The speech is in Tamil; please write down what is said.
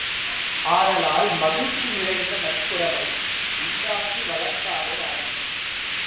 ஆதலால், மகிழ்ச்சி நிறைந்த நட்புறவை உண்டாக்கி வளர்த்தலே அறம்.